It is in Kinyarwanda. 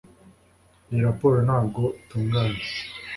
Iyi raporo ntabwo itunganye